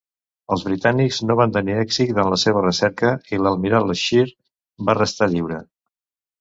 Els britànics no van tenir èxit en la seva recerca i l'"Admiral Scheer" va restar lliure.